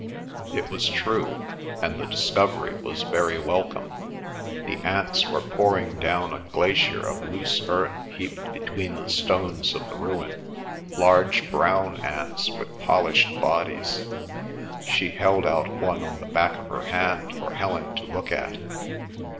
It was true, and the discovery was very welcome. The ants were pouring down a glacier of loose earth heaped between the stones of the ruin—large brown ants with polished bodies. She held out one on the back of her hand for Helen to look at.